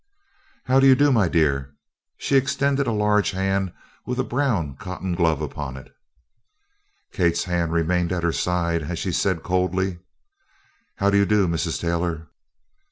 "How do you do, my dear?" She extended a large hand with a brown cotton glove upon it. Kate's hand remained at her side, as she said coldly: "How do you do, Mrs. Taylor?"